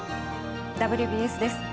「ＷＢＳ」です。